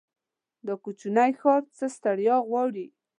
دا کوچينی ښار څه ستړيا غواړي.